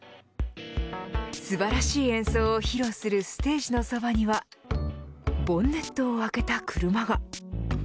素晴らしい演奏を披露するステージのそばにはボンネットを開けた車が。